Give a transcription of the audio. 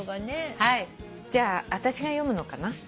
じゃあ私が読むのかな？